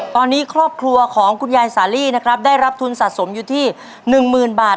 ตอนนี้ครอบครัวของคุณยายสาลีนะครับได้รับทุนสะสมอยู่ที่๑๐๐๐บาท